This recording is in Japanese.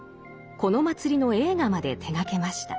この祭りの映画まで手がけました。